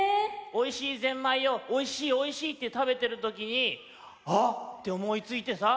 おいしいぜんまいを「おいしいおいしい」って食べてるときにあ！っておもいついてさ。